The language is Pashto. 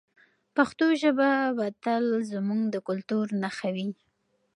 پښتو ژبه به تل زموږ د کلتور نښه وي.